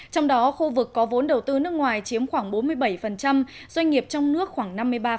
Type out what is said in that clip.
trong đó khu vực có vốn đầu tư nước ngoài chiếm khoảng bốn mươi bảy doanh nghiệp trong nước khoảng năm mươi ba